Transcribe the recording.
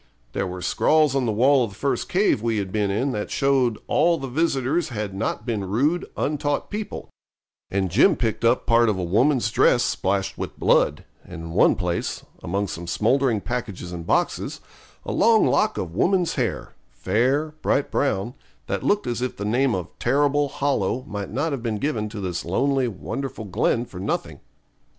There were scrawls on the wall of the first cave we had been in that showed all the visitors had not been rude, untaught people; and Jim picked up part of a woman's dress splashed with blood, and in one place, among some smouldering packages and boxes, a long lock of woman's hair, fair, bright brown, that looked as if the name of Terrible Hollow might not have been given to this lonely, wonderful glen for nothing.